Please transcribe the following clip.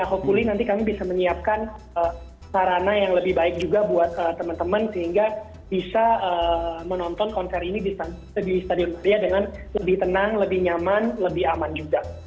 hokuli nanti kami bisa menyiapkan sarana yang lebih baik juga buat teman teman sehingga bisa menonton konser ini di stadion maria dengan lebih tenang lebih nyaman lebih aman juga